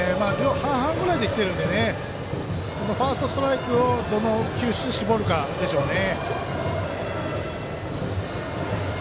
半々ぐらいできているのでファーストストライクをどの球種に絞るかでしょうね。